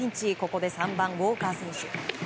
ここで３番、ウォーカー選手。